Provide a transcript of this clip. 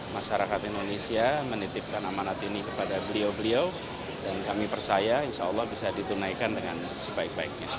masyarakat indonesia menitipkan amanat ini kepada beliau beliau dan kami percaya insya allah bisa ditunaikan dengan sebaik baiknya